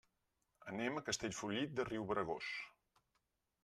Anem a Castellfollit de Riubregós.